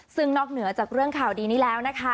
ซึ่งนอกเหนือจากเรื่องข่าวดีนี้แล้วนะคะ